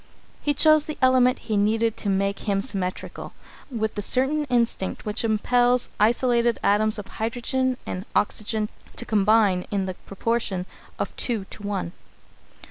He chose the element he needed to make him symmetrical, with the certain instinct which impels isolated atoms of hydrogen and oxygen to combine in the proportion of two to one.